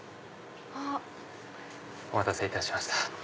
お待たせいたしました。